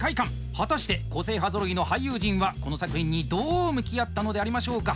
果たして個性派ぞろいの俳優陣はこの作品にどう向き合ったのでありましょうか。